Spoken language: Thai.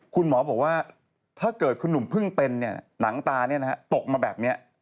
คุณหมอบอกว่าถ้าเกิดคุณหนุ่มเพิ่งเป็นเนี่ยหนังตาเนี่ยนะฮะตกมาแบบเนี่ย